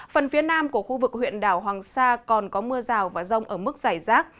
phần phía nam của khu vực huyện đảo hoàng sa còn có mưa rào và rông ở mức dài rác